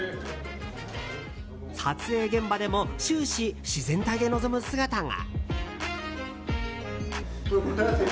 撮影現場でも終始、自然体で臨む姿が。